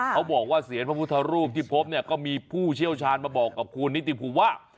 เขาบอกว่าเสียงพระพุทธรูปที่พบเนี่ยก็มีผู้เชี่ยวชาญมาบอกกับคุณนิติภูมิว่า